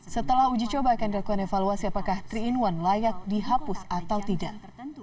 setelah uji coba akan dilakukan evaluasi apakah tiga in satu layak dihapus atau tidak